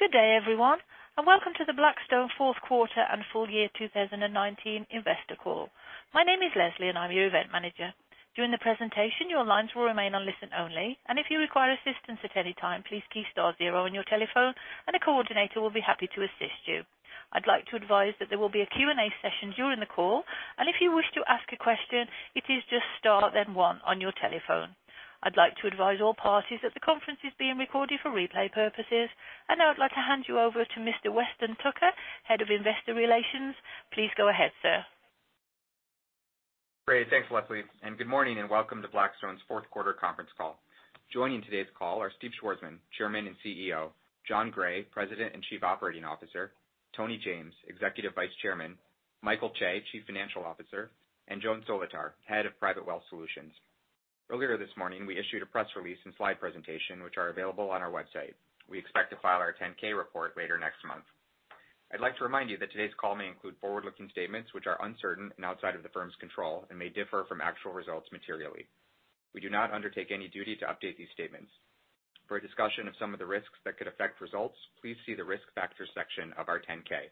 Good day everyone, and welcome to the Blackstone Fourth Quarter and Full Year 2019 Investor Call. My name is Leslie, and I'm your Event Manager. During the presentation, your lines will remain on listen only, and if you require assistance at any time, please key star zero on your telephone, and a coordinator will be happy to assist you. I'd like to advise that there will be a Q&A session during the call, and if you wish to ask a question, it is just star, then one on your telephone. I'd like to advise all parties that the conference is being recorded for replay purposes. Now I'd like to hand you over to Mr. Weston Tucker, Head of Investor Relations. Please go ahead, sir. Great. Thanks, Leslie, and good morning and welcome to Blackstone's Fourth Quarter Conference Call. Joining today's call are Steve Schwarzman, Chairman and CEO, Jon Gray, President and Chief Operating Officer, Tony James, Executive Vice Chairman, Michael Chae, Chief Financial Officer, and Joan Solotar, Head of Private Wealth Solutions. Earlier this morning, we issued a press release and slide presentation, which are available on our website. We expect to file our 10-K report later next month. I'd like to remind you that today's call may include forward-looking statements which are uncertain and outside of the firm's control and may differ from actual results materially. We do not undertake any duty to update these statements. For a discussion of some of the risks that could affect results, please see the risk factors section of our 10-K.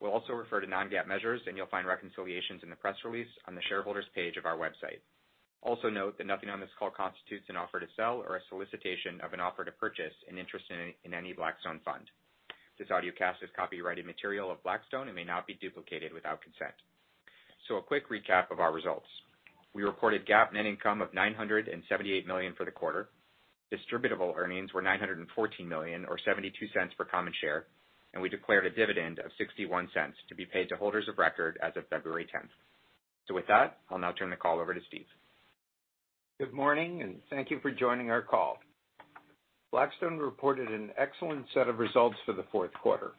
We'll also refer to non-GAAP measures, and you'll find reconciliations in the press release on the shareholders page of our website. Also note that nothing on this call constitutes an offer to sell or a solicitation of an offer to purchase an interest in any Blackstone fund. This audiocast is copyrighted material of Blackstone and may not be duplicated without consent. A quick recap of our results. We reported GAAP net income of $978 million for the quarter. Distributable earnings were $914 million, or $0.72 per common share. We declared a dividend of $0.61 to be paid to holders of record as of February 10th. With that, I'll now turn the call over to Steve. Good morning, and thank you for joining our call. Blackstone reported an excellent set of results for the fourth quarter,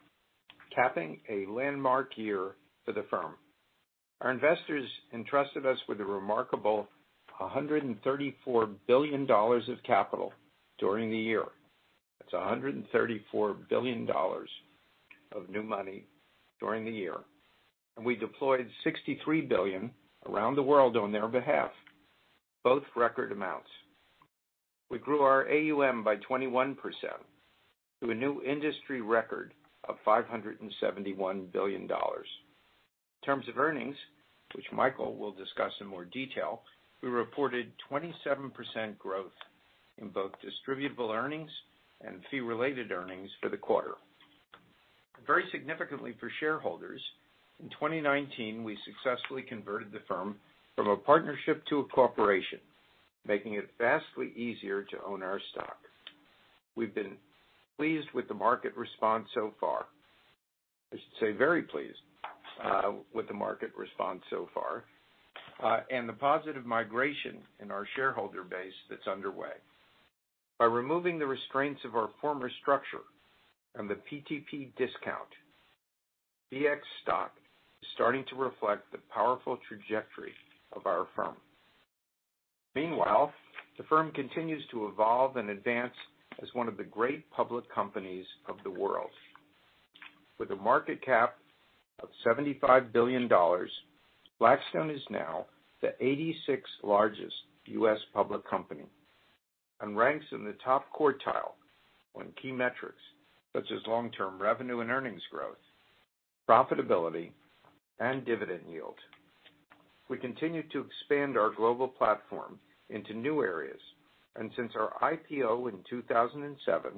capping a landmark year for the firm. Our investors entrusted us with a remarkable $134 billion of capital during the year. That's $134 billion of new money during the year. We deployed $63 billion around the world on their behalf, both record amounts. We grew our AUM by 21% to a new industry record of $571 billion. In terms of earnings, which Michael will discuss in more detail, we reported 27% growth in both distributable earnings and fee-related earnings for the quarter. Very significantly for shareholders, in 2019, we successfully converted the firm from a partnership to a corporation, making it vastly easier to own our stock. We've been pleased with the market response so far. I should say very pleased with the market response so far, and the positive migration in our shareholder base that's underway. By removing the restraints of our former structure and the PTP discount, BX stock is starting to reflect the powerful trajectory of our firm. Meanwhile, the firm continues to evolve and advance as one of the great public companies of the world. With a market cap of $75 billion, Blackstone is now the 86th largest U.S. public company, and ranks in the top quartile on key metrics such as long-term revenue and earnings growth, profitability, and dividend yield. We continue to expand our global platform into new areas, and since our IPO in 2007,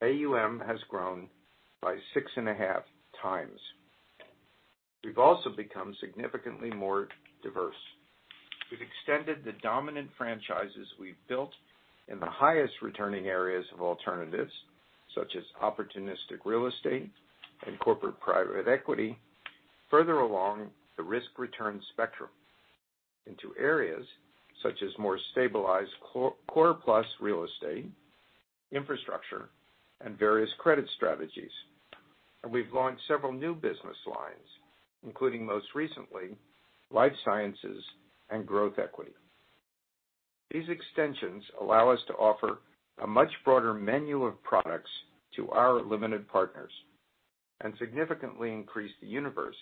AUM has grown by 6.5 times. We've also become significantly more diverse. We've extended the dominant franchises we've built in the highest returning areas of alternatives, such as opportunistic real estate and corporate private equity, further along the risk-return spectrum into areas such as more stabilized core-plus real estate, infrastructure, and various credit strategies. We've launched several new business lines, including most recently, Life Sciences and Growth Equity. These extensions allow us to offer a much broader menu of products to our limited partners and significantly increase the universe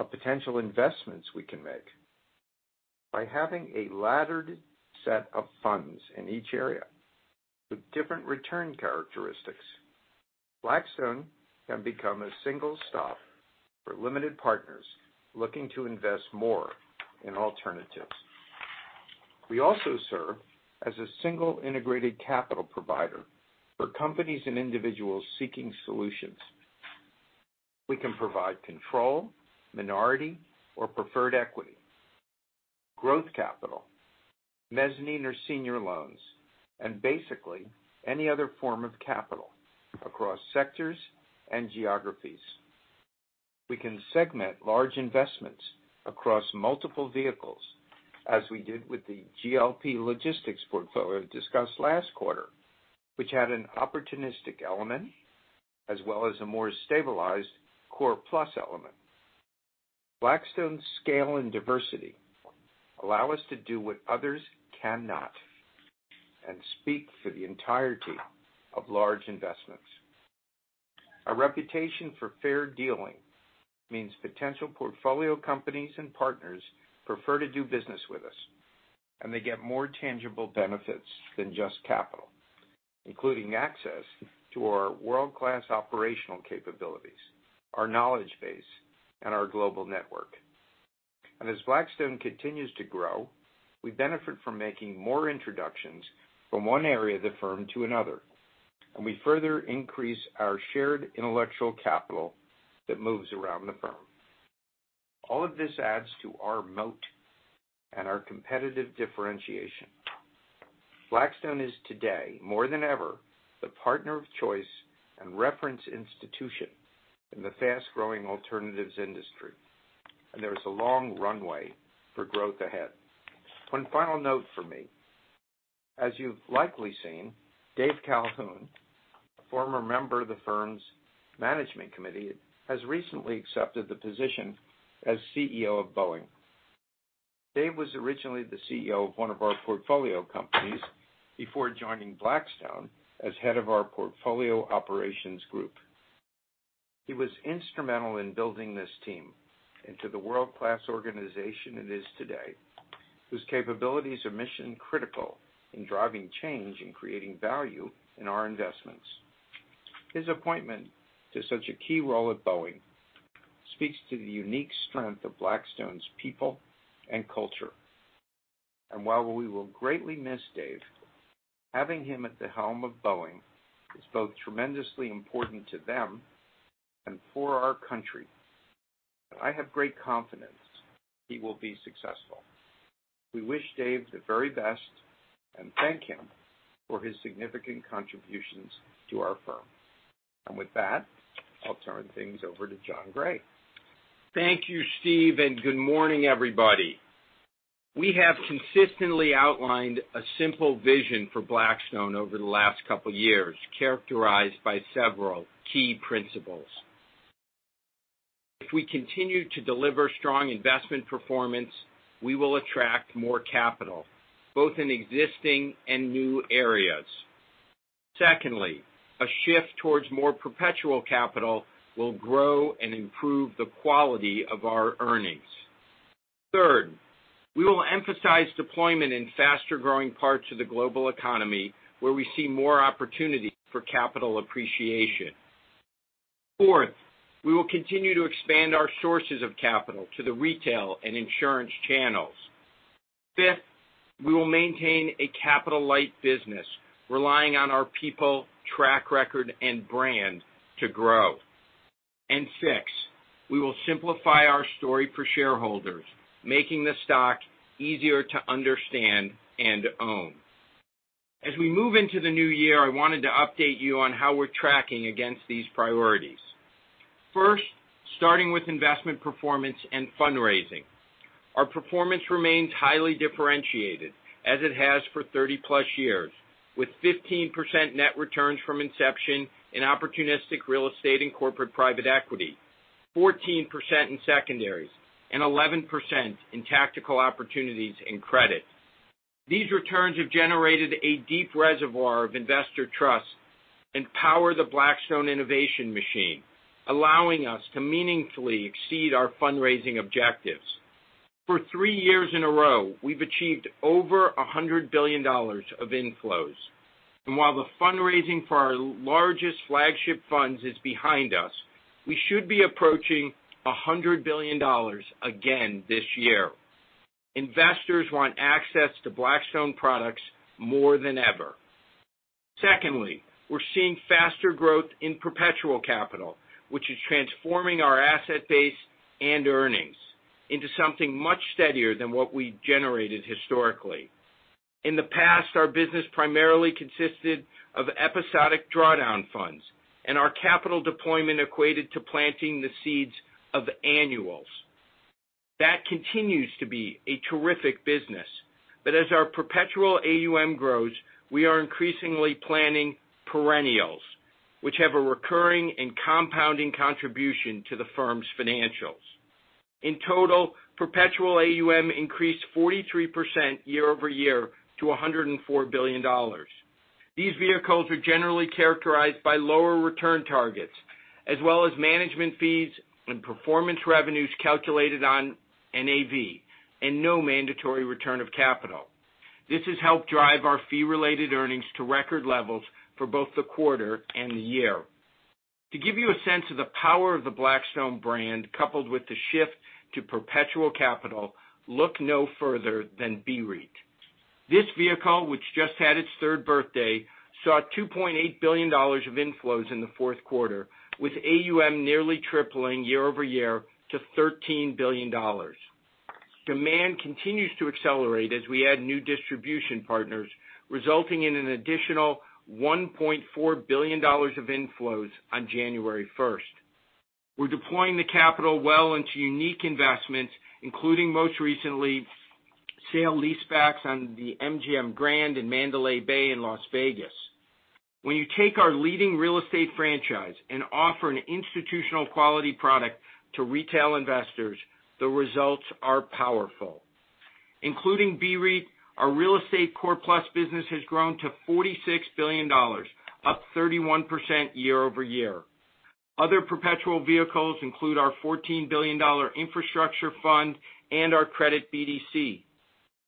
of potential investments we can make. By having a laddered set of funds in each area with different return characteristics, Blackstone can become a single stop for limited partners looking to invest more in alternatives. We also serve as a single integrated capital provider for companies and individuals seeking solutions. We can provide control, minority, or preferred equity, growth capital, mezzanine or senior loans, and basically any other form of capital across sectors and geographies. We can segment large investments across multiple vehicles, as we did with the GLP logistics portfolio discussed last quarter, which had an opportunistic element as well as a more stabilized core plus element. Blackstone's scale and diversity allow us to do what others cannot and speak for the entirety of large investments. Our reputation for fair dealing means potential portfolio companies and partners prefer to do business with us, and they get more tangible benefits than just capital, including access to our world-class operational capabilities, our knowledge base, and our global network. As Blackstone continues to grow, we benefit from making more introductions from one area of the firm to another, and we further increase our shared intellectual capital that moves around the firm. All of this adds to our moat and our competitive differentiation. Blackstone is today, more than ever, the partner of choice and reference institution in the fast-growing alternatives industry. There is a long runway for growth ahead. One final note from me. As you've likely seen, Dave Calhoun, a former member of the firm's management committee, has recently accepted the position as CEO of Boeing. Dave was originally the CEO of one of our portfolio companies before joining Blackstone as Head of our Portfolio Operations Group. He was instrumental in building this team into the world-class organization it is today, whose capabilities are mission-critical in driving change and creating value in our investments. His appointment to such a key role at Boeing speaks to the unique strength of Blackstone's people and culture. While we will greatly miss Dave, having him at the helm of Boeing is both tremendously important to them and for our country. I have great confidence he will be successful. We wish Dave the very best and thank him for his significant contributions to our firm. With that, I'll turn things over to Jon Gray. Thank you, Steve, and good morning, everybody. We have consistently outlined a simple vision for Blackstone over the last couple of years, characterized by several key principles. If we continue to deliver strong investment performance, we will attract more capital, both in existing and new areas. Secondly, a shift towards more perpetual capital will grow and improve the quality of our earnings. Third, we will emphasize deployment in faster-growing parts of the global economy where we see more opportunity for capital appreciation. Fourth, we will continue to expand our sources of capital to the retail and insurance channels. Fifth, we will maintain a capital-light business, relying on our people, track record, and brand to grow. Sixth, we will simplify our story for shareholders, making the stock easier to understand and own. As we move into the new year, I wanted to update you on how we're tracking against these priorities. First, starting with investment performance and fundraising. Our performance remains highly differentiated, as it has for 30+ years, with 15% net returns from inception in opportunistic real estate and corporate private equity, 14% in secondaries, and 11% in Tactical Opportunities in credit. These returns have generated a deep reservoir of investor trust and power the Blackstone innovation machine, allowing us to meaningfully exceed our fundraising objectives. For three years in a row, we've achieved over $100 billion of inflows. While the fundraising for our largest flagship funds is behind us, we should be approaching $100 billion again this year. Investors want access to Blackstone products more than ever. Secondly, we're seeing faster growth in perpetual capital, which is transforming our asset base and earnings into something much steadier than what we generated historically. In the past, our business primarily consisted of episodic drawdown funds, and our capital deployment equated to planting the seeds of annuals. That continues to be a terrific business, but as our perpetual AUM grows, we are increasingly planting perennials, which have a recurring and compounding contribution to the firm's financials. In total, perpetual AUM increased 43% year-over-year to $104 billion. These vehicles are generally characterized by lower return targets, as well as management fees and performance revenues calculated on NAV, and no mandatory return of capital. This has helped drive our fee-related earnings to record levels for both the quarter and the year. To give you a sense of the power of the Blackstone brand, coupled with the shift to perpetual capital, look no further than BREIT. This vehicle, which just had its third birthday, saw $2.8 billion of inflows in the fourth quarter, with AUM nearly tripling year-over-year to $13 billion. Demand continues to accelerate as we add new distribution partners, resulting in an additional $1.4 billion of inflows on January 1st. We're deploying the capital well into unique investments, including most recently, sale-leasebacks on the MGM Grand in Mandalay Bay in Las Vegas. When you take our leading real estate franchise and offer an institutional quality product to retail investors, the results are powerful. Including BREIT, our real estate core plus business has grown to $46 billion, up 31% year-over-year. Other perpetual vehicles include our $14 billion infrastructure fund and our credit BDC.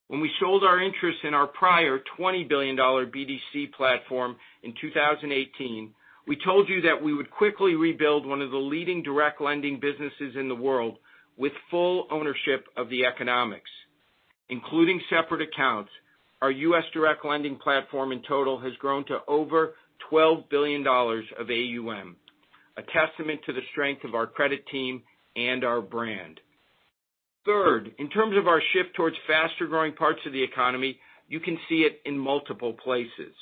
When we sold our interest in our prior $20 billion BDC platform in 2018, we told you that we would quickly rebuild one of the leading direct lending businesses in the world with full ownership of the economics. Including separate accounts, our U.S. direct lending platform in total has grown to over $12 billion of AUM, a testament to the strength of our credit team and our brand. Third, in terms of our shift towards faster-growing parts of the economy, you can see it in multiple places.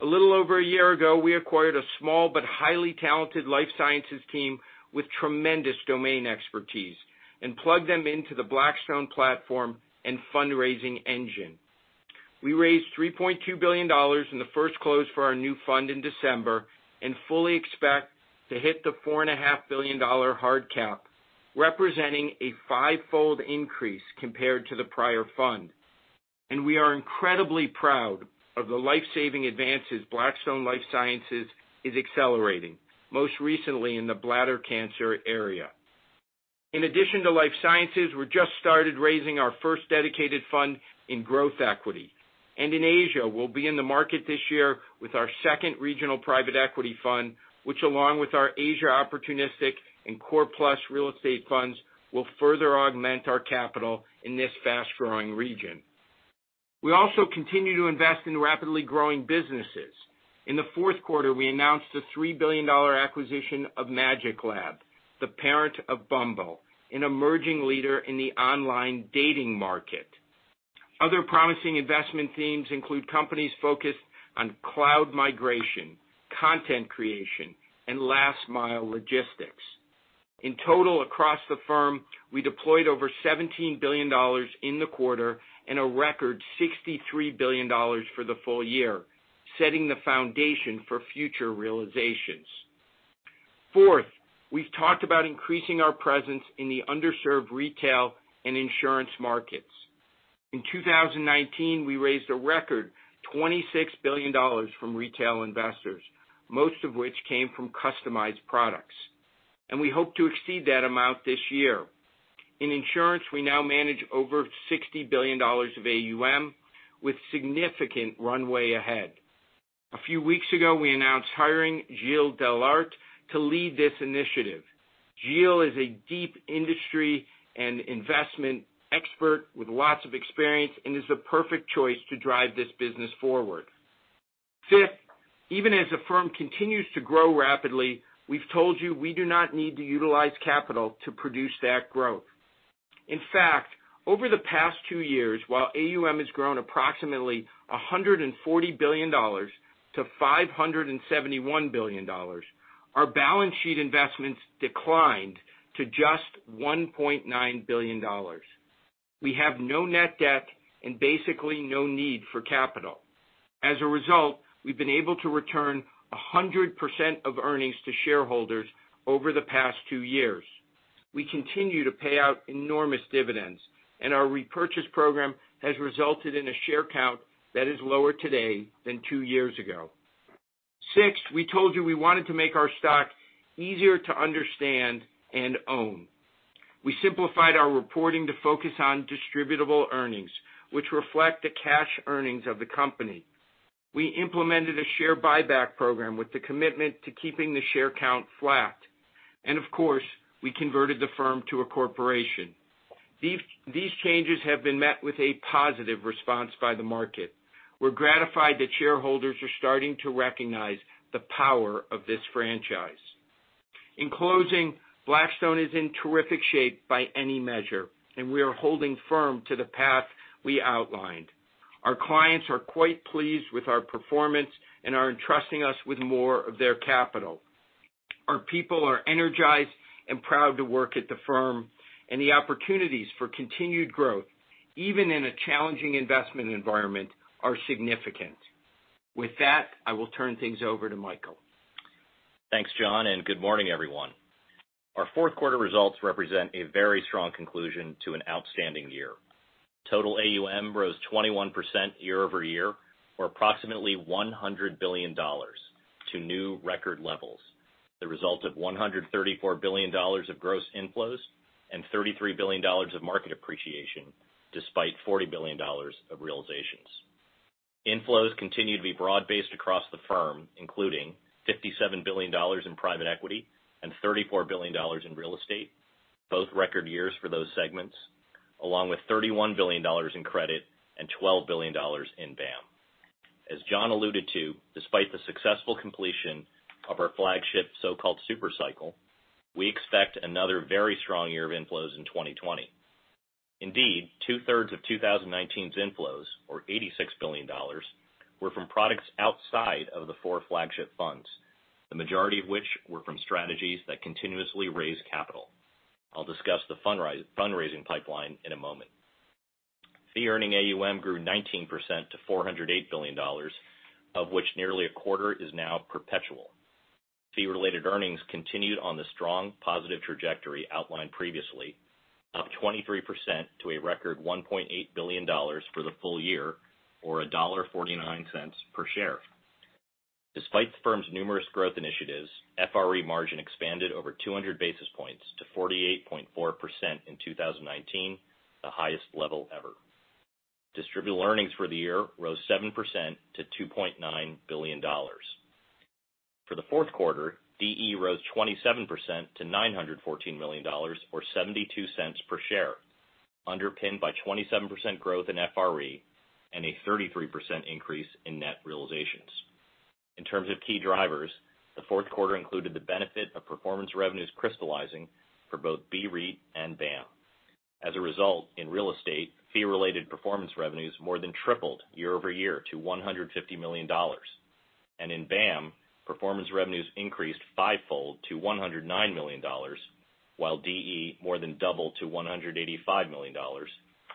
A little over a year ago, we acquired a small but highly talented life sciences team with tremendous domain expertise and plugged them into the Blackstone platform and fundraising engine. We raised $3.2 billion in the first close for our new fund in December, and fully expect to hit the $4.5 billion hard cap, representing a five-fold increase compared to the prior fund. We are incredibly proud of the life-saving advances Blackstone Life Sciences is accelerating, most recently in the bladder cancer area. In addition to life sciences, we just started raising our first dedicated fund in growth equity. In Asia, we'll be in the market this year with our second regional private equity fund, which along with our Asia opportunistic and core plus real estate funds, will further augment our capital in this fast-growing region. We also continue to invest in rapidly growing businesses. In the fourth quarter, we announced a $3 billion acquisition of MagicLab, the parent of Bumble, an emerging leader in the online dating market. Other promising investment themes include companies focused on cloud migration, content creation, and last-mile logistics. In total, across the firm, we deployed $17 billion in the quarter and a record $63 billion for the full year, setting the foundation for future realizations. Fourth, we've talked about increasing our presence in the underserved retail and insurance markets. In 2019, we raised a record $26 billion from retail investors, most of which came from customized products. We hope to exceed that amount this year. In insurance, we now manage $60 billion of AUM with significant runway ahead. A few weeks ago, we announced hiring Gilles Dellaert to lead this initiative. Gilles is a deep industry and investment expert with lots of experience and is the perfect choice to drive this business forward. Fifth, even as the firm continues to grow rapidly, we've told you we do not need to utilize capital to produce that growth. In fact, over the past two years, while AUM has grown approximately $140 billion to $571 billion, our balance sheet investments declined to just $1.9 billion. We have no net debt and basically no need for capital. As a result, we've been able to return 100% of earnings to shareholders over the past two years. We continue to pay out enormous dividends, and our repurchase program has resulted in a share count that is lower today than two years ago. Sixth, we told you we wanted to make our stock easier to understand and own. We simplified our reporting to focus on distributable earnings, which reflect the cash earnings of the company. We implemented a share buyback program with the commitment to keeping the share count flat. Of course, we converted the firm to a corporation. These changes have been met with a positive response by the market. We're gratified that shareholders are starting to recognize the power of this franchise. In closing, Blackstone is in terrific shape by any measure, and we are holding firm to the path we outlined. Our clients are quite pleased with our performance and are entrusting us with more of their capital. Our people are energized and proud to work at the firm, and the opportunities for continued growth, even in a challenging investment environment, are significant. With that, I will turn things over to Michael. Thanks, Jon, good morning, everyone. Our fourth quarter results represent a very strong conclusion to an outstanding year. Total AUM rose 21% year-over-year, or approximately $100 billion to new record levels. The result of $134 billion of gross inflows and $33 billion of market appreciation, despite $40 billion of realizations. Inflows continue to be broad-based across the firm, including $57 billion in private equity and $34 billion in real estate, both record years for those segments, along with $31 billion in credit and $12 billion in BAAM. As Jon alluded to, despite the successful completion of our flagship so-called super cycle, we expect another very strong year of inflows in 2020. Indeed, 2/3 of 2019's inflows, or $86 billion, were from products outside of the four flagship funds, the majority of which were from strategies that continuously raise capital. I'll discuss the fundraising pipeline in a moment. Fee earning AUM grew 19% to $408 billion, of which nearly a quarter is now perpetual. Fee related earnings continued on the strong positive trajectory outlined previously, up 23% to a record $1.8 billion for the full year, or $1.49 per share. Despite the firm's numerous growth initiatives, FRE margin expanded over 200 basis points to 48.4% in 2019, the highest level ever. Distributed earnings for the year rose 7% to $2.9 billion. For the fourth quarter, DE rose 27% to $914 million, or $0.72 per share, underpinned by 27% growth in FRE and a 33% increase in net realizations. In terms of key drivers, the fourth quarter included the benefit of performance revenues crystallizing for both BREIT and BAAM. As a result, in real estate, fee related performance revenues more than tripled year-over-year to $150 million. In BAAM, performance revenues increased fivefold to $109 million, while DE more than doubled to $185 million,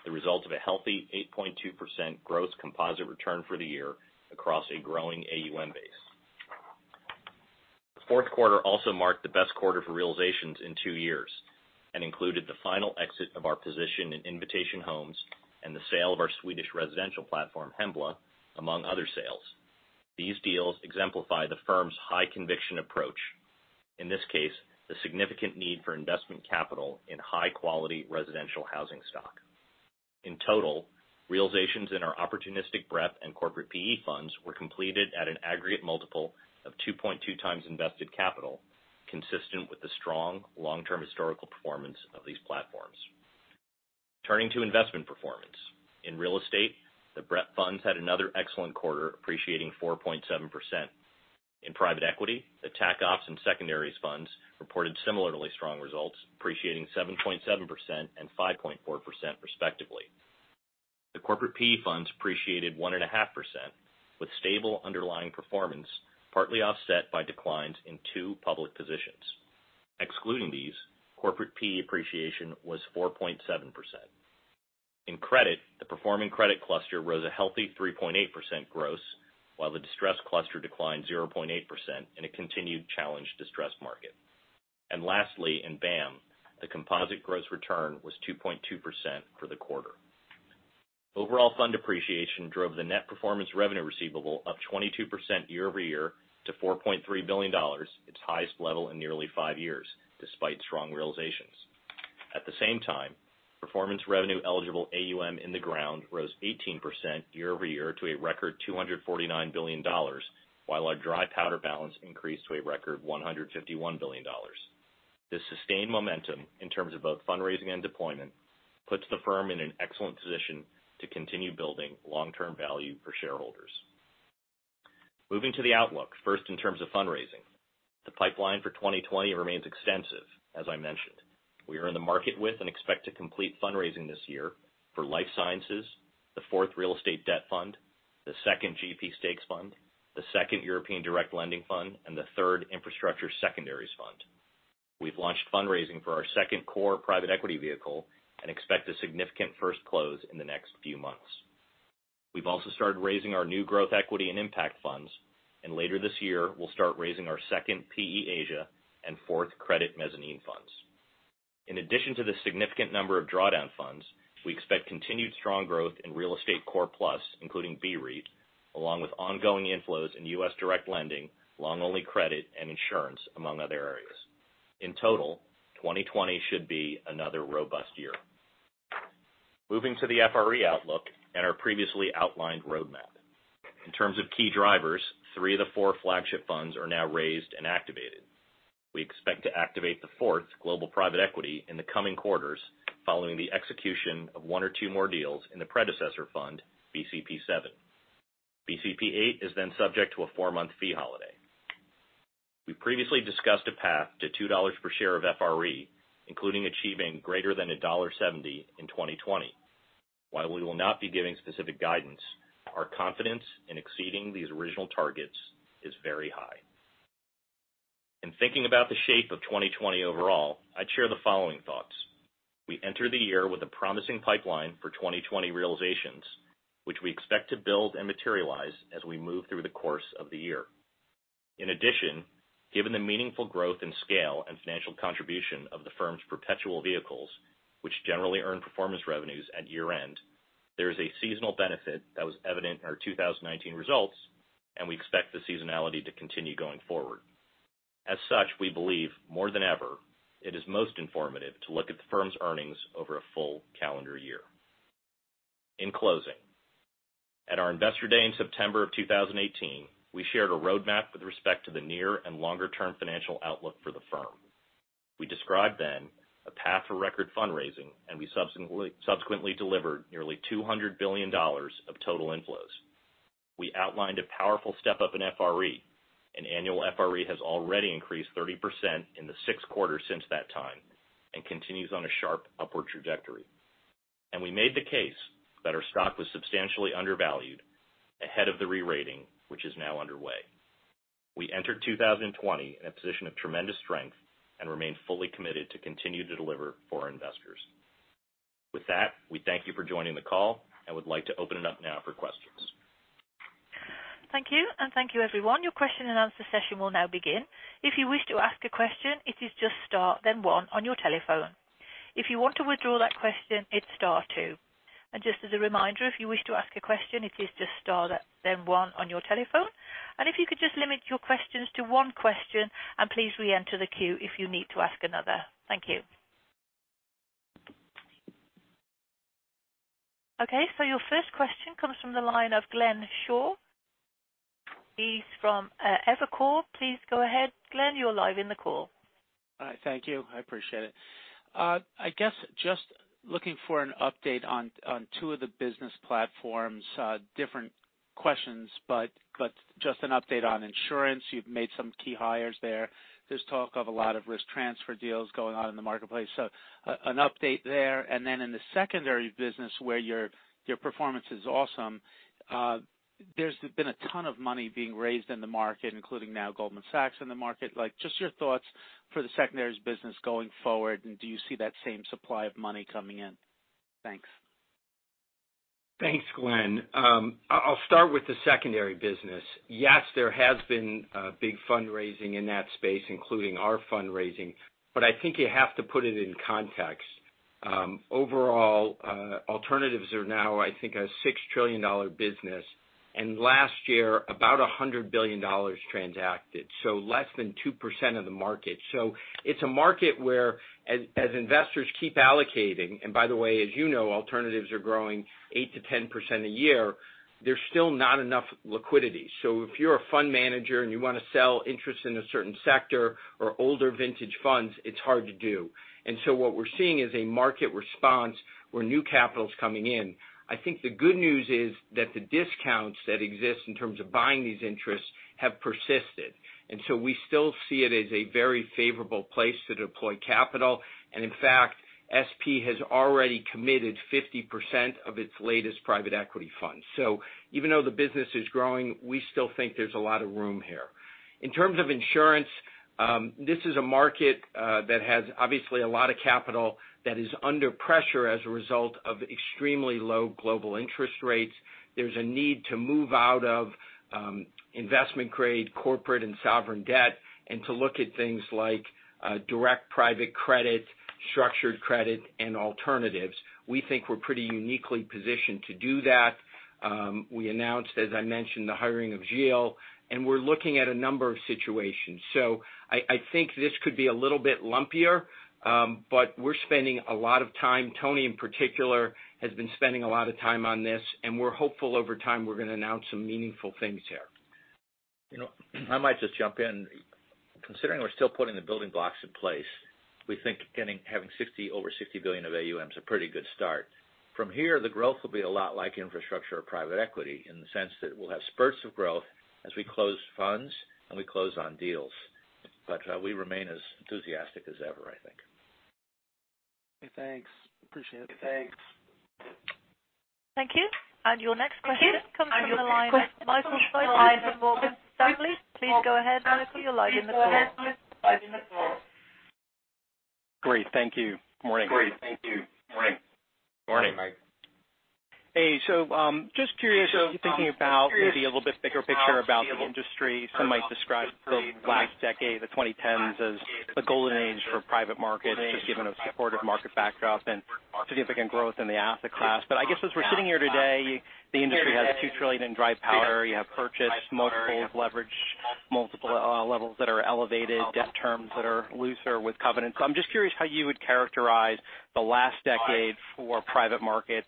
the result of a healthy 8.2% gross composite return for the year across a growing AUM base. The fourth quarter also marked the best quarter for realizations in two years, and included the final exit of our position in Invitation Homes and the sale of our Swedish residential platform, Hembla, among other sales. These deals exemplify the firm's high conviction approach, in this case, the significant need for investment capital in high quality residential housing stock. In total, realizations in our opportunistic breadth and corporate PE funds were completed at an aggregate multiple of 2.2 times invested capital, consistent with the strong long-term historical performance of these platforms. Turning to investment performance. In real estate, the breadth funds had another excellent quarter, appreciating 4.7%. In private equity, the Tac Opps and secondaries funds reported similarly strong results, appreciating 7.7% and 5.4% respectively. The corporate PE funds appreciated 1.5%, with stable underlying performance, partly offset by declines in two public positions. Excluding these, corporate PE appreciation was 4.7%. In credit, the performing credit cluster rose a healthy 3.8% gross, while the distressed cluster declined 0.8% in a continued challenged distressed market. Lastly, in BAAM, the composite gross return was 2.2% for the quarter. Overall fund appreciation drove the net performance revenue receivable up 22% year-over-year to $4.3 billion, its highest level in nearly five years, despite strong realizations. At the same time, performance revenue eligible AUM in the ground rose 18% year-over-year to a record $249 billion, while our dry powder balance increased to a record $151 billion. This sustained momentum, in terms of both fundraising and deployment, puts the firm in an excellent position to continue building long-term value for shareholders. Moving to the outlook. First in terms of fundraising. The pipeline for 2020 remains extensive, as I mentioned. We are in the market with and expect to complete fundraising this year for Blackstone Life Sciences, the fourth real estate debt fund, the second GP stakes fund, the second European direct lending fund, and the third infrastructure secondaries fund. We've launched fundraising for our second core private equity vehicle and expect a significant first close in the next few months. We've also started raising our new growth equity and impact funds, and later this year, we'll start raising our second PE Asia and fourth credit mezzanine funds. In addition to the significant number of drawdown funds, we expect continued strong growth in real estate core plus, including BREIT, along with ongoing inflows in U.S. direct lending, long-only credit, and insurance, among other areas. In total, 2020 should be another robust year. Moving to the FRE outlook and our previously outlined roadmap. In terms of key drivers, three of the four flagship funds are now raised and activated. We expect to activate the fourth global private equity in the coming quarters following the execution of one or two more deals in the predecessor fund, BCP VII. BCP VIII is subject to a four-month fee holiday. We previously discussed a path to $2 per share of FRE, including achieving greater than $1.70 in 2020. While we will not be giving specific guidance, our confidence in exceeding these original targets is very high. In thinking about the shape of 2020 overall, I'd share the following thoughts. We enter the year with a promising pipeline for 2020 realizations, which we expect to build and materialize as we move through the course of the year. In addition, given the meaningful growth and scale and financial contribution of the firm's perpetual vehicles, which generally earn performance revenues at year end, there is a seasonal benefit that was evident in our 2019 results, and we expect the seasonality to continue going forward. As such, we believe more than ever, it is most informative to look at the firm's earnings over a full calendar year. In closing, at our Investor Day in September of 2018, we shared a roadmap with respect to the near and longer-term financial outlook for the firm. We described then a path for record fundraising, and we subsequently delivered nearly $200 billion of total inflows. We outlined a powerful step up in FRE. An annual FRE has already increased 30% in the six quarters since that time and continues on a sharp upward trajectory. We made the case that our stock was substantially undervalued ahead of the re-rating, which is now underway. We enter 2020 in a position of tremendous strength and remain fully committed to continue to deliver for our investors. With that, we thank you for joining the call and would like to open it up now for questions. Thank you, and thank you, everyone. Your question and answer session will now begin. If you wish to ask a question, it is just star then one on your telephone. If you want to withdraw that question, it's star two. Just as a reminder, if you wish to ask a question, it is just star then one on your telephone. If you could just limit your questions to one question, and please reenter the queue if you need to ask another. Thank you. Okay. Your first question comes from the line of Glenn Schorr. He's from Evercore. Please go ahead, Glenn, you're live in the call. All right. Thank you. I appreciate it. I guess just looking for an update on two of the business platforms. Different questions, but just an update on insurance. You've made some key hires there. There's talk of a lot of risk transfer deals going on in the marketplace. An update there, and then in the secondary business where your performance is awesome, there's been a ton of money being raised in the market, including now Goldman Sachs in the market. Just your thoughts for the secondaries business going forward, and do you see that same supply of money coming in? Thanks. Thanks, Glenn. I'll start with the secondary business. Yes, there has been big fundraising in that space, including our fundraising, but I think you have to put it in context. Overall, alternatives are now, I think, a $6 trillion business, and last year about $100 billion transacted, less than 2% of the market. It's a market where as investors keep allocating, and by the way, as you know, alternatives are growing 8%-10% a year, there's still not enough liquidity. If you're a fund manager and you want to sell interest in a certain sector or older vintage funds, it's hard to do. What we're seeing is a market response where new capital is coming in. I think the good news is that the discounts that exist in terms of buying these interests have persisted, and so we still see it as a very favorable place to deploy capital. In fact, SP has already committed 50% of its latest private equity fund. Even though the business is growing, we still think there's a lot of room here. In terms of insurance, this is a market that has obviously a lot of capital that is under pressure as a result of extremely low global interest rates. There's a need to move out of investment-grade corporate and sovereign debt and to look at things like direct private credit, structured credit, and alternatives. We think we're pretty uniquely positioned to do that. We announced, as I mentioned, the hiring of Gilles, and we're looking at a number of situations. I think this could be a little bit lumpier, but we're spending a lot of time. Tony, in particular, has been spending a lot of time on this, and we're hopeful over time we're going to announce some meaningful things here. I might just jump in. Considering we're still putting the building blocks in place, we think having over $60 billion of AUM is a pretty good start. From here, the growth will be a lot like infrastructure or private equity in the sense that we'll have spurts of growth as we close funds and we close on deals. We remain as enthusiastic as ever, I think. Okay, thanks. Appreciate it. Thank you. Your next question comes from the line of Michael Cyprys from Morgan Stanley. Please go ahead, Michael. You're live in the call. Great, thank you. Morning. Morning, Mike. Hey. Just curious, as you're thinking about maybe a little bit bigger picture about the industry, some might describe the last decade, the 2010s, as the golden age for private markets, just given a supportive market backdrop and significant growth in the asset class. I guess as we're sitting here today, the industry has $2 trillion in dry powder. You have purchase multiples leverage, multiple levels that are elevated, debt terms that are looser with covenants. I'm just curious how you would characterize the last decade for private markets?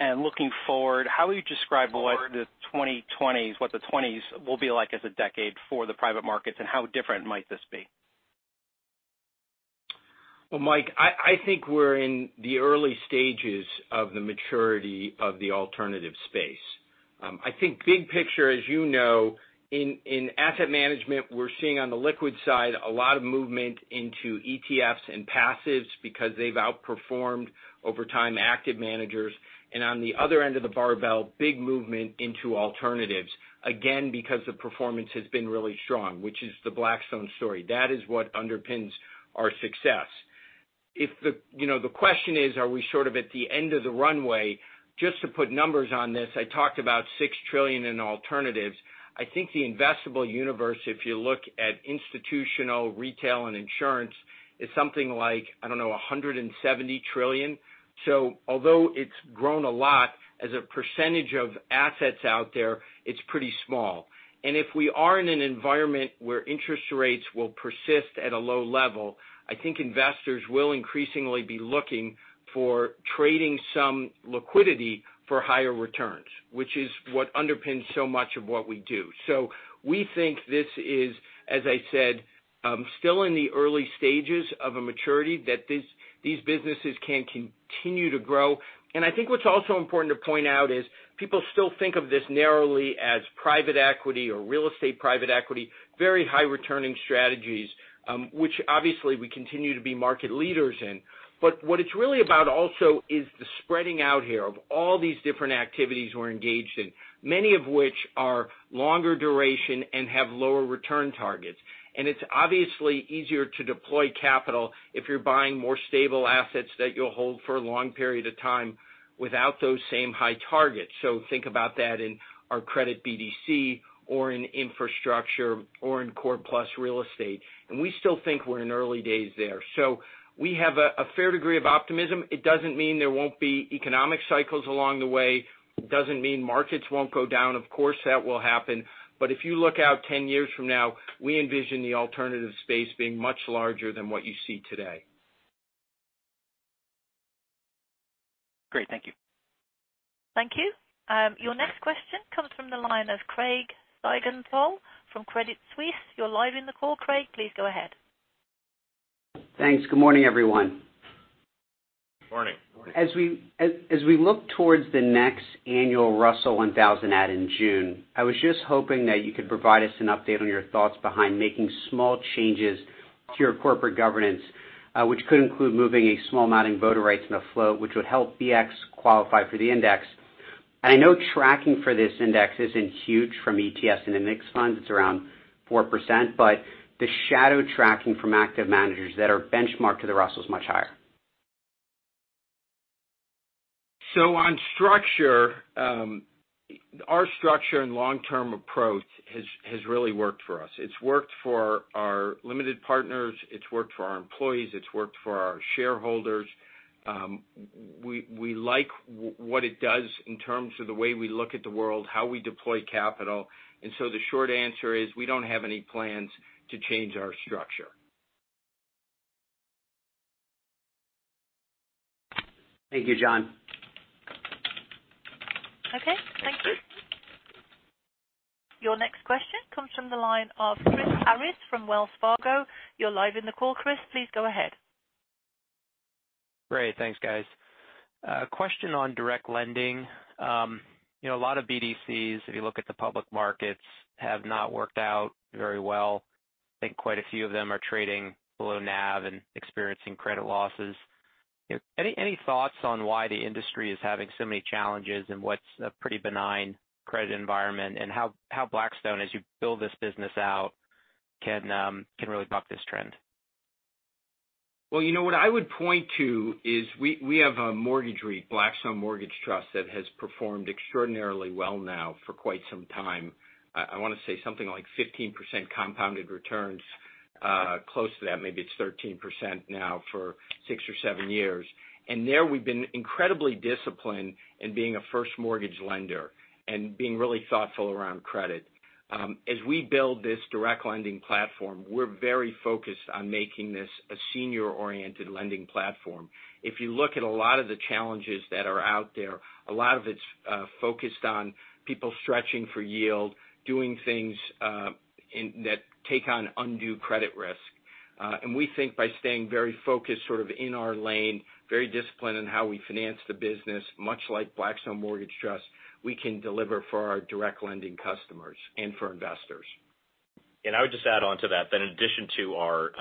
Looking forward, how would you describe what the 2020s will be like as a decade for the private markets, and how different might this be? Well, Mike, I think we're in the early stages of the maturity of the alternative space. I think big picture, as you know, in asset management, we're seeing on the liquid side a lot of movement into ETFs and passives because they've outperformed over time active managers, and on the other end of the barbell, big movement into alternatives, again, because the performance has been really strong. Which is the Blackstone story. That is what underpins our success. If the question is, are we sort of at the end of the runway? Just to put numbers on this, I talked about $6 trillion in alternatives. I think the investable universe, if you look at institutional retail and insurance, is something like, I don't know, $170 trillion. Although it's grown a lot as a percentage of assets out there, it's pretty small. If we are in an environment where interest rates will persist at a low level, I think investors will increasingly be looking for trading some liquidity for higher returns, which is what underpins so much of what we do. We think this is, as I said, still in the early stages of a maturity that these businesses can continue to grow. I think what's also important to point out is people still think of this narrowly as private equity or real estate private equity, very high returning strategies, which obviously we continue to be market leaders in. What it's really about also is the spreading out here of all these different activities we're engaged in, many of which are longer duration and have lower return targets. It's obviously easier to deploy capital if you're buying more stable assets that you'll hold for a long period of time without those same high targets. Think about that in our credit BDC or in infrastructure or in core plus real estate. We still think we're in early days there. We have a fair degree of optimism. It doesn't mean there won't be economic cycles along the way. It doesn't mean markets won't go down. Of course, that will happen. If you look out 10 years from now, we envision the alternative space being much larger than what you see today. Great. Thank you. Thank you. Your next question comes from the line of Craig Siegenthaler from Credit Suisse. You are live in the call, Craig. Please go ahead. Thanks. Good morning, everyone. Morning. As we look towards the next annual Russell 1000 add in June, I was just hoping that you could provide us an update on your thoughts behind making small changes to your corporate governance, which could include moving a small amount in voter rights in the float, which would help BX qualify for the index. I know tracking for this index isn't huge from ETFs and index funds, it's around 4%, but the shadow tracking from active managers that are benchmarked to the Russell is much higher. On structure, our structure and long-term approach has really worked for us. It's worked for our limited partners, it's worked for our employees, it's worked for our shareholders. We like what it does in terms of the way we look at the world, how we deploy capital. The short answer is, we don't have any plans to change our structure. Thank you, Jon. Okay. Thank you. Your next question comes from the line of Chris Harris from Wells Fargo. You are live in the call, Chris, please go ahead. Great. Thanks, guys. A question on direct lending. A lot of BDCs, if you look at the public markets, have not worked out very well. I think quite a few of them are trading below NAV and experiencing credit losses. Any thoughts on why the industry is having so many challenges in what's a pretty benign credit environment, and how Blackstone, as you build this business out, can really buck this trend? Well, what I would point to is we have a mortgage REIT, Blackstone Mortgage Trust, that has performed extraordinarily well now for quite some time. I want to say something like 15% compounded returns, close to that, maybe it's 13% now for six or seven years. There we've been incredibly disciplined in being a first mortgage lender and being really thoughtful around credit. As we build this direct lending platform, we're very focused on making this a senior-oriented lending platform. If you look at a lot of the challenges that are out there, a lot of it's focused on people stretching for yield. Doing things that take on undue credit risk. We think by staying very focused sort of in our lane, very disciplined in how we finance the business, much like Blackstone Mortgage Trust, we can deliver for our direct lending customers and for investors. I would just add onto that in addition to our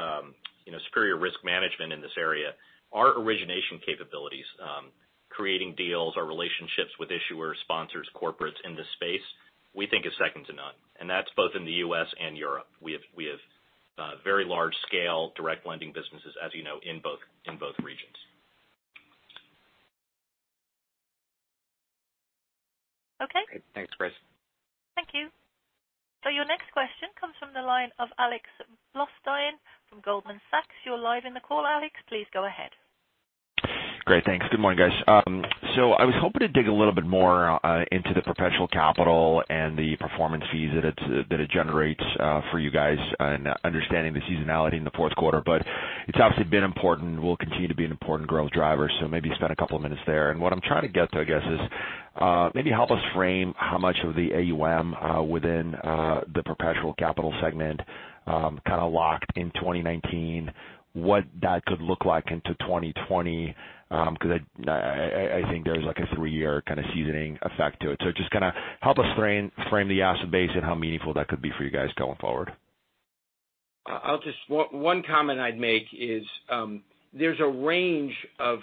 superior risk management in this area, our origination capabilities, creating deals, our relationships with issuers, sponsors, corporates in this space, we think is second to none, and that's both in the U.S. and Europe. We have very large-scale direct lending businesses, as you know, in both regions. Okay. Thanks, Chris. Thank you. Your next question comes from the line of Alex Blostein from Goldman Sachs. You're live in the call, Alex, please go ahead. Great, thanks. Good morning, guys. I was hoping to dig a little bit more into the perpetual capital and the performance fees that it generates for you guys, and understanding the seasonality in the fourth quarter. It's obviously been important, will continue to be an important growth driver, so maybe spend a couple of minutes there. What I'm trying to get to, I guess, is maybe help us frame how much of the AUM within the perpetual capital segment kind of locked in 2019, what that could look like into 2020. I think there's like a three-year kind of seasoning effect to it. Just kind of help us frame the asset base and how meaningful that could be for you guys going forward. One comment I'd make is, there's a range of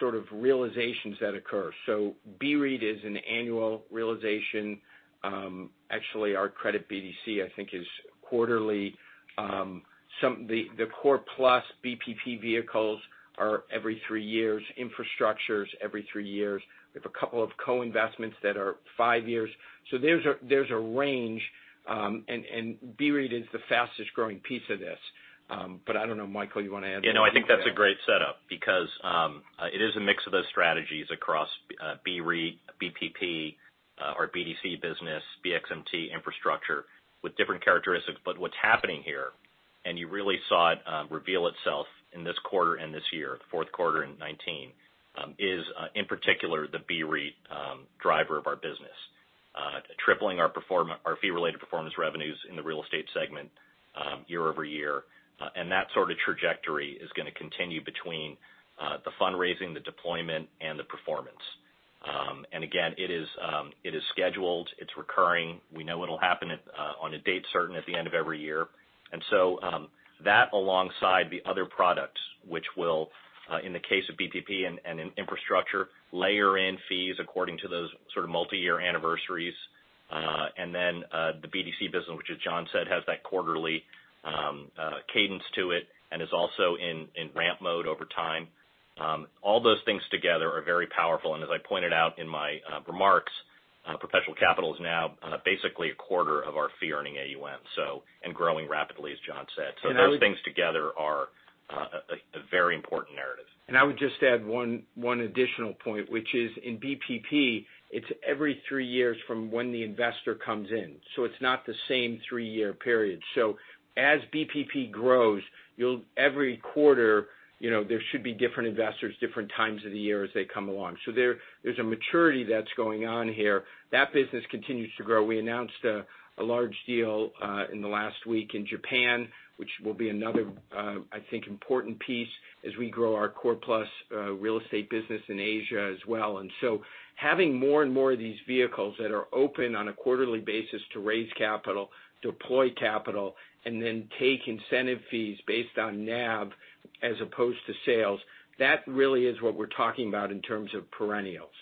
sort of realizations that occur. BREIT is an annual realization. Actually, our credit BDC, I think, is quarterly. The core plus BPP vehicles are every three years. Infrastructure's every three years. We have a couple of co-investments that are five years. There's a range, and BREIT is the fastest-growing piece of this. I don't know, Michael, you want to add to that? I think that's a great setup because, it is a mix of those strategies across BREIT, BPP, our BDC business, BXMT infrastructure with different characteristics. What's happening here, and you really saw it reveal itself in this quarter and this year, the fourth quarter in 2019, is, in particular, the BREIT driver of our business. Tripling our fee-related performance revenues in the real estate segment year-over-year. That sort of trajectory is going to continue between the fundraising, the deployment, and the performance. Again, it is scheduled, it's recurring. We know it'll happen on a date certain at the end of every year. That alongside the other products, which will, in the case of BPP and infrastructure, layer in fees according to those sort of multi-year anniversaries. The BDC business, which as Jon said, has that quarterly cadence to it and is also in ramp mode over time. All those things together are very powerful. As I pointed out in my remarks. Perpetual capital is now basically a quarter of our fee-earning AUM, and growing rapidly, as Jon said. Those things together are a very important narrative. I would just add one additional point, which is in BPP, it's every three years from when the investor comes in. It's not the same three-year period. As BPP grows, every quarter, there should be different investors, different times of the year as they come along. There's a maturity that's going on here. That business continues to grow. We announced a large deal in the last week in Japan, which will be another, I think, important piece as we grow our core-plus real estate business in Asia as well. Having more and more of these vehicles that are open on a quarterly basis to raise capital, deploy capital, and then take incentive fees based on NAV as opposed to sales, that really is what we're talking about in terms of perennials.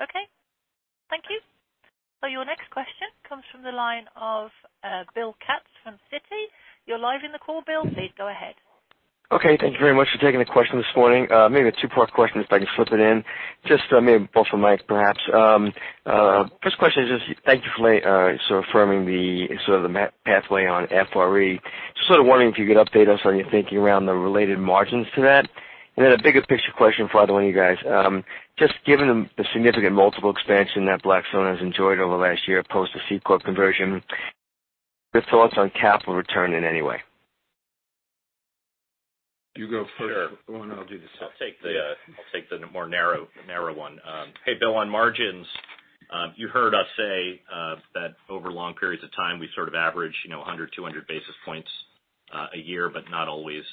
Okay. Thank you. Your next question comes from the line of Bill Katz from Citi. You're live in the call, Bill. Please go ahead. Okay. Thank you very much for taking the question this morning. Maybe a two-part question, if I can slip it in. Just maybe both for Mike, perhaps. First question is just thank you for sort of affirming the sort of the pathway on FRE. Just sort of wondering if you could update us on your thinking around the related margins to that. A bigger picture question for either one of you guys. Just given the significant multiple expansion that Blackstone has enjoyed over the last year post the C corporation conversion, your thoughts on capital return in any way. You go first. Sure. Go on, I'll do the second. I'll take the more narrow one. Hey, Bill, on margins, you heard us say that over long periods of time, we sort of average 100, 200 basis points a year, but not always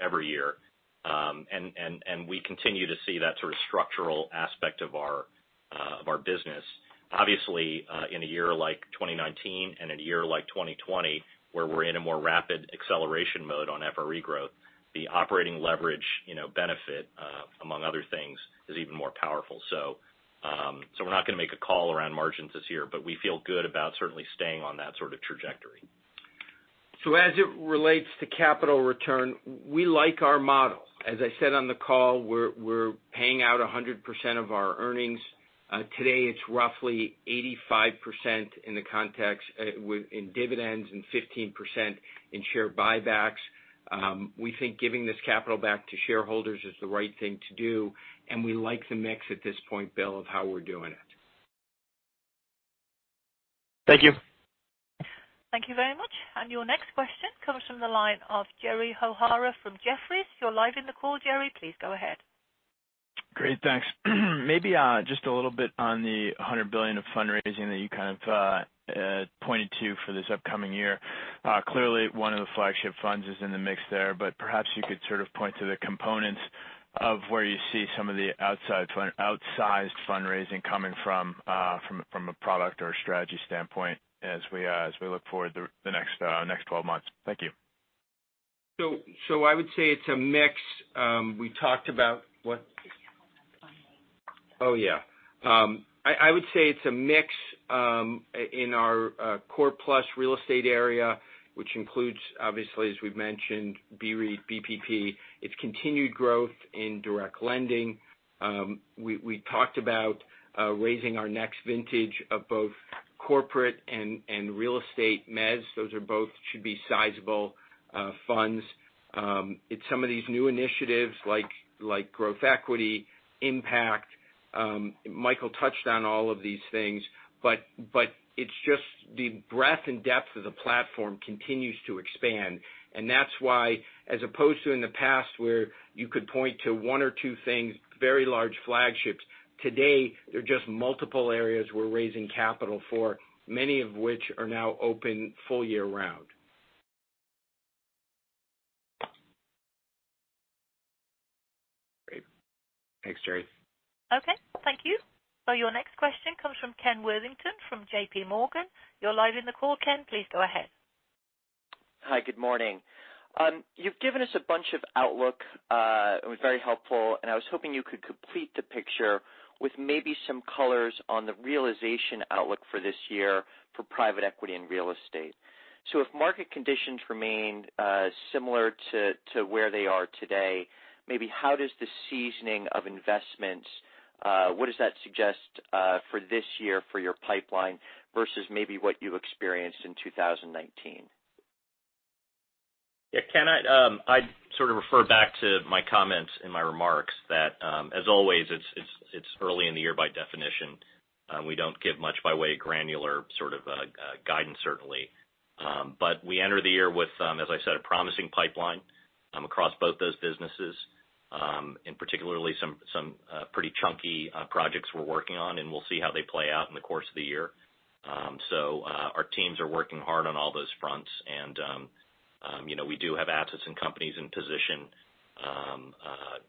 every year. We continue to see that sort of structural aspect of our business. Obviously, in a year like 2019 and in a year like 2020, where we're in a more rapid acceleration mode on FRE growth, the operating leverage benefit, among other things, is even more powerful. We're not going to make a call around margins this year, but we feel good about certainly staying on that sort of trajectory. As it relates to capital return, we like our model. As I said on the call, we're paying out 100% of our earnings. Today it's roughly 85% in the context in dividends and 15% in share buybacks. We think giving this capital back to shareholders is the right thing to do, and we like the mix at this point, Bill, of how we're doing it. Thank you. Thank you very much. Your next question comes from the line of Gerald O'Hara from Jefferies. You're live in the call, Gerald. Please go ahead. Great. Thanks. Maybe just a little bit on the $100 billion of fundraising that you kind of pointed to for this upcoming year. One of the flagship funds is in the mix there, but perhaps you could sort of point to the components of where you see some of the outsized fundraising coming from a product or strategy standpoint as we look forward the next 12 months. Thank you. I would say it's a mix. We talked about What? Oh, yeah. I would say it's a mix in our core plus real estate area, which includes, obviously, as we've mentioned, BREIT, BPP. It's continued growth in direct lending. We talked about raising our next vintage of both corporate and real estate mezz. Those are both should be sizable funds. It's some of these new initiatives like growth equity, impact. Michael touched on all of these things, but it's just the breadth and depth of the platform continues to expand. That's why, as opposed to in the past where you could point to one or two things, very large flagships. Today, they're just multiple areas we're raising capital for, many of which are now open full year round. Great. Thanks, Gerald. Okay. Thank you. Your next question comes from Ken Worthington from JPMorgan. You're live in the call, Ken. Please go ahead. Hi. Good morning. You've given us a bunch of outlook. It was very helpful. I was hoping you could complete the picture with maybe some colors on the realization outlook for this year for private equity and real estate. If market conditions remain similar to where they are today, maybe how does the seasoning of investments, what does that suggest for this year for your pipeline versus maybe what you experienced in 2019? Yeah. Kenneth, I'd sort of refer back to my comments in my remarks that, as always, it's early in the year by definition. We don't give much by way of granular sort of guidance, certainly. We enter the year with, as I said, a promising pipeline across both those businesses, and particularly some pretty chunky projects we're working on, and we'll see how they play out in the course of the year. Our teams are working hard on all those fronts. We do have assets and companies in position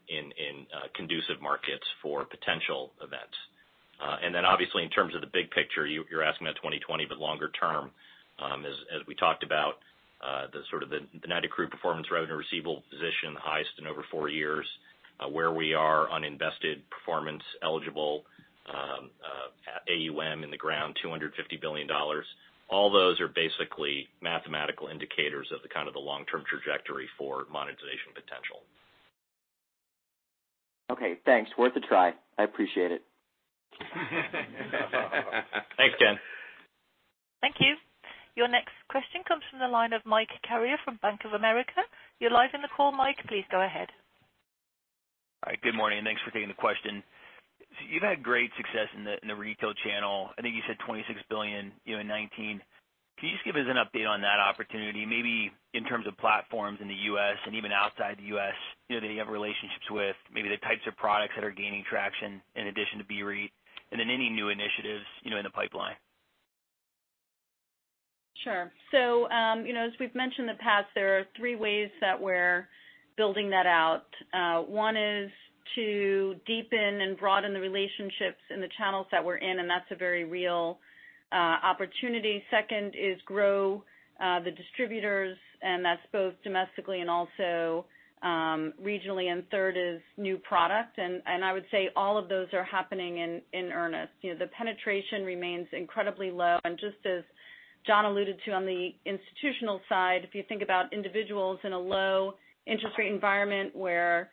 in conducive markets for potential events. Obviously, in terms of the big picture, you're asking about 2020, but longer term, as we talked about the sort of the net accrued performance revenue receivable position, the highest in over four years, where we are on invested performance eligible AUM in the ground, $250 billion. All those are basically mathematical indicators of the kind of the long-term trajectory for monetization potential. Okay, thanks. Worth a try. I appreciate it. Thanks, Ken. Thank you. Your next question comes from the line of Mike Carrier from Bank of America. You're live in the call, Mike. Please go ahead. Hi, good morning, and thanks for taking the question. You've had great success in the retail channel. I think you said $26 billion in 2019. Can you just give us an update on that opportunity, maybe in terms of platforms in the U.S. and even outside the U.S. that you have relationships with, maybe the types of products that are gaining traction in addition to BREIT, and then any new initiatives in the pipeline? Sure. As we've mentioned in the past, there are three ways that we're building that out. One is to deepen and broaden the relationships in the channels that we're in, and that's a very real opportunity. Second is grow the distributors, and that's both domestically and also regionally. Third is new product. I would say all of those are happening in earnest. The penetration remains incredibly low. Just as Jon alluded to on the institutional side, if you think about individuals in a low interest rate environment where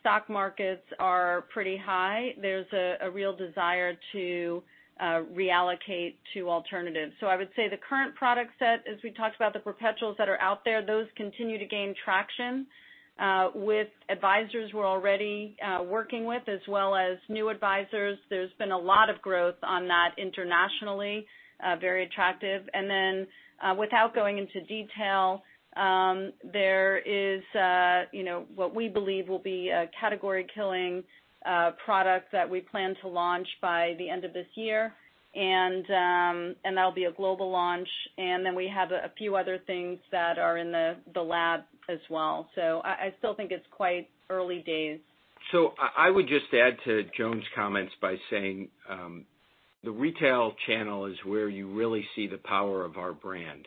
stock markets are pretty high, there's a real desire to reallocate to alternatives. I would say the current product set, as we talked about, the perpetuals that are out there, those continue to gain traction with advisors we're already working with as well as new advisors. There's been a lot of growth on that internationally, very attractive. Without going into detail, there is what we believe will be a category-killing product that we plan to launch by the end of this year. That'll be a global launch. We have a few other things that are in the lab as well. I still think it's quite early days. I would just add to Joan's comments by saying the retail channel is where you really see the power of our brand.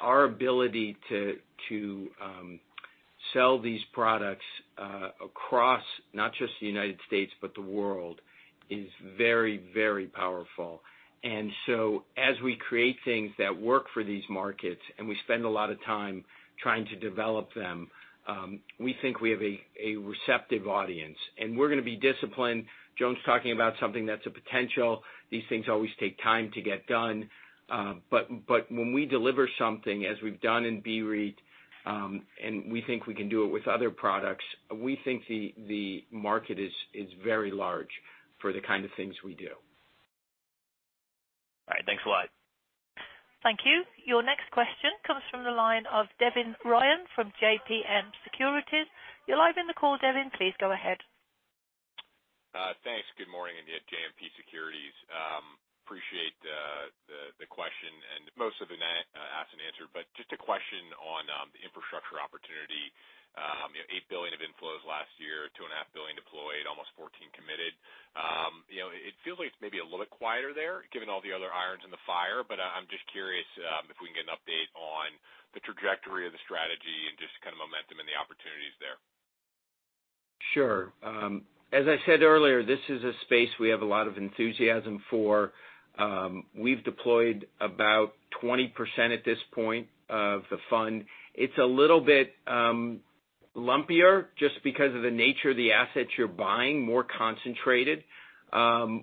Our ability to sell these products across, not just the U.S., but the world, is very powerful. As we create things that work for these markets, and we spend a lot of time trying to develop them, we think we have a receptive audience. We're going to be disciplined. Joan's talking about something that's a potential. These things always take time to get done. When we deliver something, as we've done in BREIT, and we think we can do it with other products, we think the market is very large for the kind of things we do. All right. Thanks a lot. Thank you. Your next question comes from the line of Devin Ryan from JMP Securities. You're live in the call, Devin, please go ahead. Thanks. Good morning. Again, JMP Securities. Appreciate the question, most of it asked and answered. Just a question on the infrastructure opportunity. $8 billion of inflows last year, $2.5 billion deployed, almost $14 billion committed. It feels like it's maybe a little bit quieter there given all the other irons in the fire. I'm just curious if we can get an update on the trajectory of the strategy and just kind of momentum and the opportunities there. Sure. As I said earlier, this is a space we have a lot of enthusiasm for. We've deployed about 20% at this point of the fund. It's a little bit lumpier just because of the nature of the assets you're buying, more concentrated.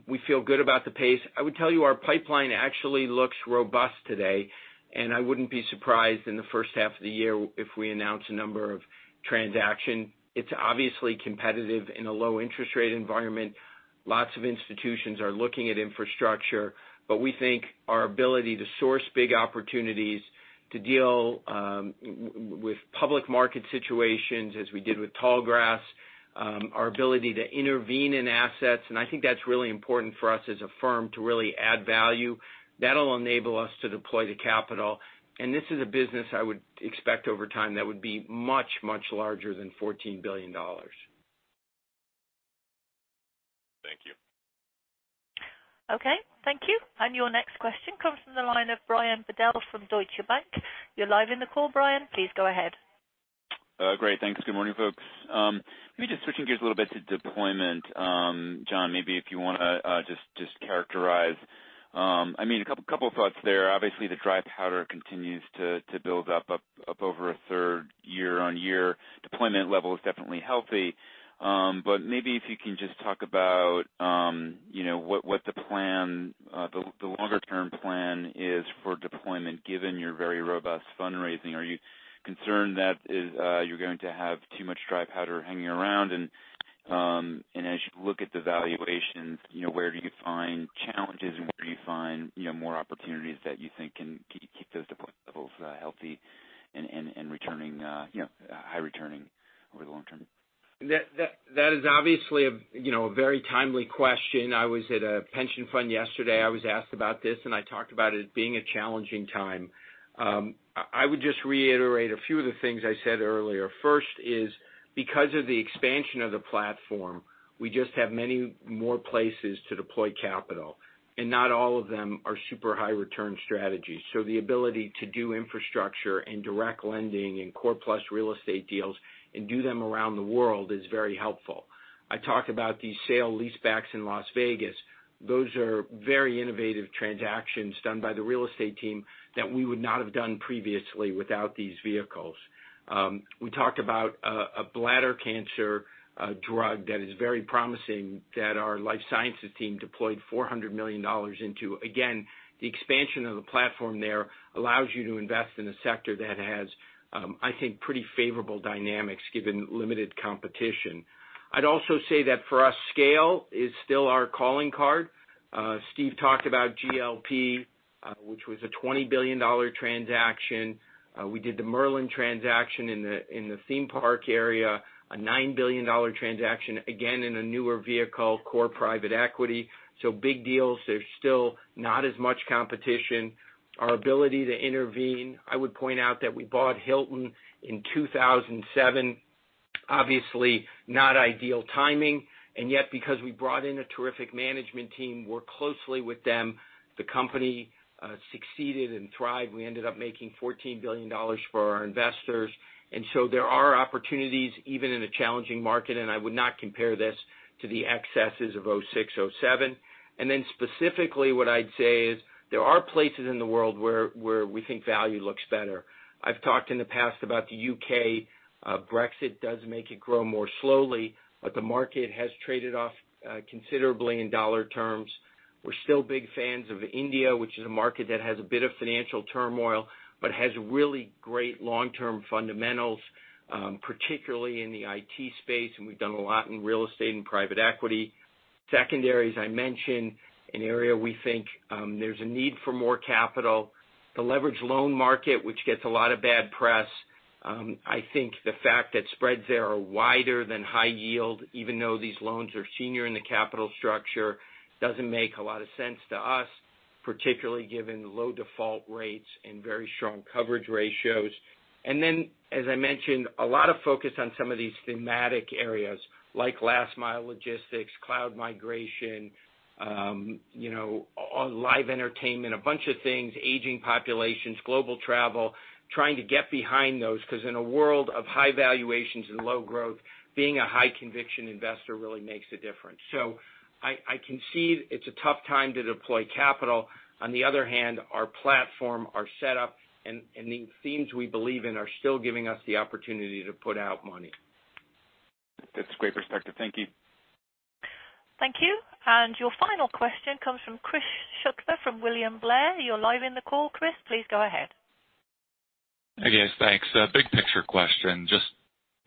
We feel good about the pace. I would tell you our pipeline actually looks robust today. I wouldn't be surprised in the first half of the year if we announce a number of transaction. It's obviously competitive in a low interest rate environment. Lots of institutions are looking at infrastructure, but we think our ability to source big opportunities to deal with public market situations as we did with Tallgrass, our ability to intervene in assets, and I think that's really important for us as a firm to really add value. That'll enable us to deploy the capital. This is a business I would expect over time that would be much, much larger than $14 billion. Thank you. Okay. Thank you. Your next question comes from the line of Brian Bedell from Deutsche Bank. You're live in the call, Brian. Please go ahead. Great. Thanks. Good morning, folks. Let me just switching gears a little bit to deployment. Jon, maybe if you want to just characterize. A couple of thoughts there. Obviously, the dry powder continues to build up over a third year-on-year. Deployment level is definitely healthy. Maybe if you can just talk about what the longer-term plan is for deployment given your very robust fundraising. Are you concerned that you're going to have too much dry powder hanging around? As you look at the valuations, where do you find challenges and where do you find more opportunities that you think can keep those deployment levels healthy and high returning over the long term? That is obviously a very timely question. I was at a pension fund yesterday. I was asked about this, and I talked about it being a challenging time. I would just reiterate a few of the things I said earlier. First is because of the expansion of the platform, we just have many more places to deploy capital, and not all of them are super high return strategies. The ability to do infrastructure and direct lending and core plus real estate deals and do them around the world is very helpful. I talked about the sale leasebacks in Las Vegas. Those are very innovative transactions done by the real estate team that we would not have done previously without these vehicles. We talked about a bladder cancer drug that is very promising that our life sciences team deployed $400 million into. The expansion of the platform there allows you to invest in a sector that has, I think, pretty favorable dynamics given limited competition. Steve talked about GLP, which was a $20 billion transaction. We did the Merlin transaction in the theme park area, a $9 billion transaction, again, in a newer vehicle, core private equity. Big deals. There's still not as much competition. Our ability to intervene, I would point out that we bought Hilton in 2007. Obviously, not ideal timing, and yet because we brought in a terrific management team, worked closely with them, the company succeeded and thrived. We ended up making $14 billion for our investors. There are opportunities even in a challenging market, and I would not compare this to the excesses of 2006, 2007. Specifically what I'd say is there are places in the world where we think value looks better. I've talked in the past about the U.K. Brexit does make it grow more slowly, but the market has traded off considerably in dollar terms. We're still big fans of India, which is a market that has a bit of financial turmoil, but has really great long-term fundamentals, particularly in the IT space, and we've done a lot in real estate and private equity. Secondary, as I mentioned, an area we think there's a need for more capital. The leverage loan market, which gets a lot of bad press, I think the fact that spreads there are wider than high yield, even though these loans are senior in the capital structure, doesn't make a lot of sense to us, particularly given low default rates and very strong coverage ratios. As I mentioned, a lot of focus on some of these thematic areas like last mile logistics, cloud migration, live entertainment, a bunch of things, aging populations, global travel, trying to get behind those because in a world of high valuations and low growth, being a high conviction investor really makes a difference. I concede it's a tough time to deploy capital. On the other hand, our platform, our setup, and the themes we believe in are still giving us the opportunity to put out money. That's a great perspective. Thank you. Thank you. Your final question comes from Chris Shutler from William Blair. You're live in the call, Chris, please go ahead. Yes, thanks. Big picture question. Just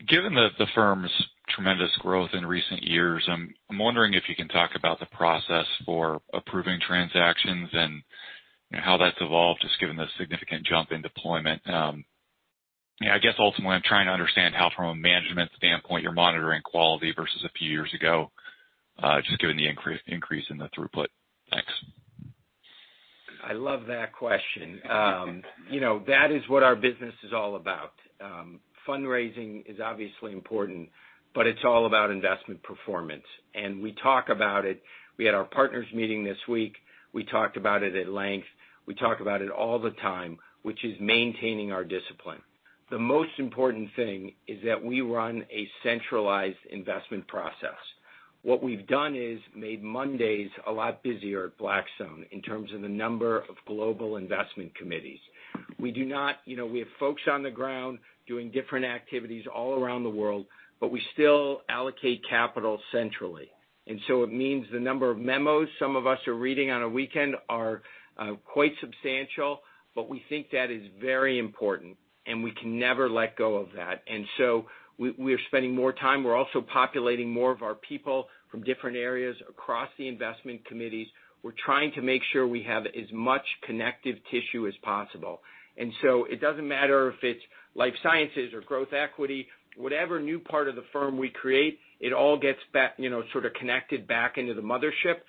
given the firm's tremendous growth in recent years, I'm wondering if you can talk about the process for approving transactions and how that's evolved, just given the significant jump in deployment. I guess ultimately I'm trying to understand how from a management standpoint you're monitoring quality versus a few years ago, just given the increase in the throughput. Thanks. I love that question. That is what our business is all about. Fundraising is obviously important, but it's all about investment performance. We talk about it. We had our partners meeting this week. We talked about it at length. We talk about it all the time, which is maintaining our discipline. The most important thing is that we run a centralized investment process. What we've done is made Mondays a lot busier at Blackstone in terms of the number of global investment committees. We have folks on the ground doing different activities all around the world, but we still allocate capital centrally. It means the number of memos some of us are reading on a weekend are quite substantial, but we think that is very important, and we can never let go of that. We are spending more time. We're also populating more of our people from different areas across the investment committees. We're trying to make sure we have as much connective tissue as possible. It doesn't matter if it's Blackstone Life Sciences or growth equity, whatever new part of the firm we create, it all gets sort of connected back into the mothership.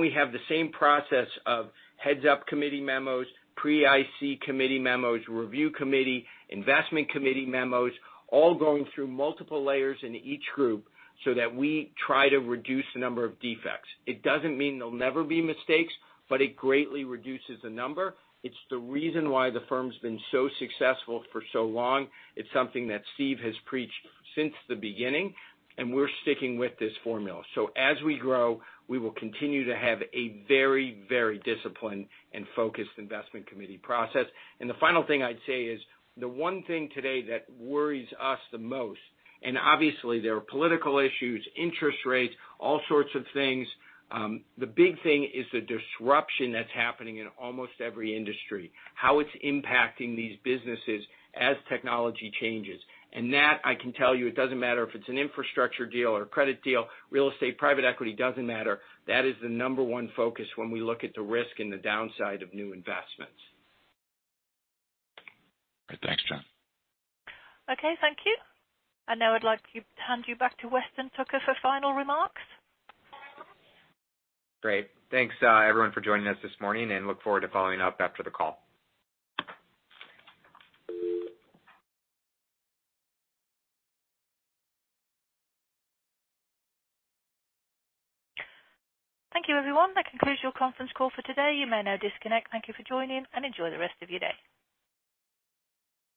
We have the same process of heads up committee memos, pre-IC committee memos, review committee, investment committee memos, all going through multiple layers in each group so that we try to reduce the number of defects. It doesn't mean there'll never be mistakes, but it greatly reduces the number. It's the reason why the firm's been so successful for so long. It's something that Steve has preached since the beginning, and we're sticking with this formula. As we grow, we will continue to have a very disciplined and focused investment committee process. The final thing I'd say is the one thing today that worries us the most, and obviously there are political issues, interest rates, all sorts of things. The big thing is the disruption that's happening in almost every industry, how it's impacting these businesses as technology changes. That I can tell you, it doesn't matter if it's an infrastructure deal or a credit deal, real estate, private equity, doesn't matter. That is the number one focus when we look at the risk and the downside of new investments. All right. Thanks, Jon. Okay, thank you. Now I'd like to hand you back to Weston Tucker for final remarks. Great. Thanks everyone for joining us this morning. Look forward to following up after the call. Thank you everyone. That concludes your conference call for today. You may now disconnect. Thank you for joining, and enjoy the rest of your day.